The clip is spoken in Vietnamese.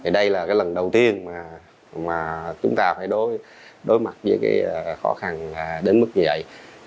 đây là lần đầu tiên chúng ta phải đối mặt với khó khăn đến mức như vậy